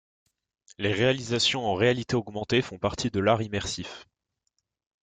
Les réalisations en réalité augmentée font partie de l'art immersif.